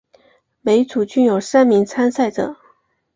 每一组均有三名参赛者。